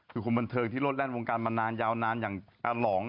คือคนบรรเทิงลดแลนด์วงการมานานอย่างอาหลอง